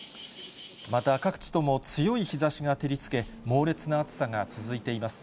また各地とも強い日ざしが照りつけ、猛烈な暑さが続いています。